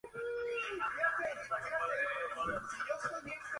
Fue especialmente importante por su papel en la Batalla de Aizu.